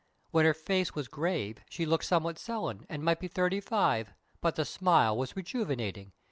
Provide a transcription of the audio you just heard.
When her face was grave, she looked somewhat sullen, and might be thirty five; but the smile was rejuvenating.